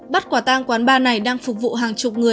bắt quả tang quán bar này đang phục vụ hàng